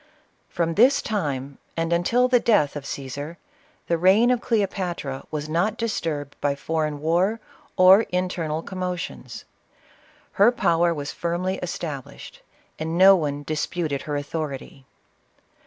From this time, and until after the death of Ctesar, the reign of Cleopatra was not disturbed by foreign war or internal commotions. Her power was firmly established, and no one disputed her authority.